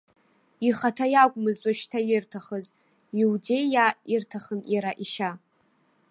Ихаҭа иакәмызт уажәшьҭа ирҭахыз, иудеиаа ирҭахын иара ишьа.